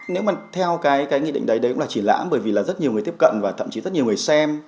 nếu mà theo cái nghị định đấy đấy cũng là triển lãm bởi vì là rất nhiều người tiếp cận và thậm chí rất nhiều người xem